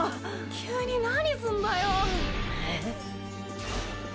急に何すんだよ？